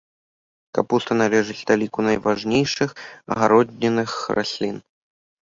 Капуста належыць да ліку найважнейшых гароднінных раслін.